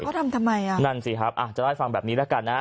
เข้าทำทำไมอ่ะนั่นสิครับอ่าจะเร่งฟังแบบนี้ละกันอ่า